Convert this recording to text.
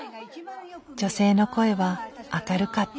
女性の声は明るかった。